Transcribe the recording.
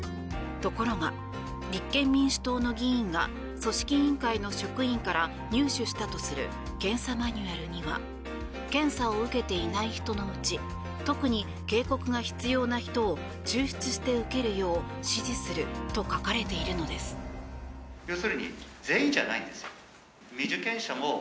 ところが、立憲民主党の議員が組織委員会の職員から入手したとする検査マニュアルには検査を受けていない人のうち特に警告が必要な人を抽出して受けるよう指示すると書かれているのです。